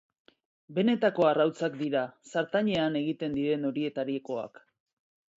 Benetako arraultzak dira, zartaginean egiten diren horietakoak.